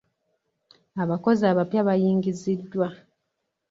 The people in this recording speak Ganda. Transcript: Abakozi abapya bayingiziddwa.